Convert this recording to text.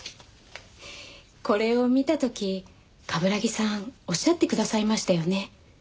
これを見た時冠城さんおっしゃってくださいましたよね。